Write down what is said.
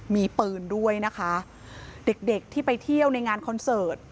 มีปืนด้วยนะคะเด็กเด็กที่ไปเที่ยวในงานคอนเสิร์ต